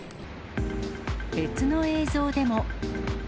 別の映像でも。